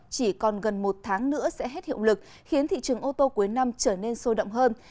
chỉ còn gần một tháng nữa sẽ hết hiệu lực khiến thị trường ô tô cuối năm trở nên sôi động hơn